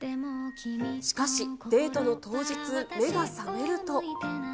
しかし、デートの当日、目が覚めると。